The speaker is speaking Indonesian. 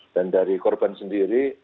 dan dari korban sendiri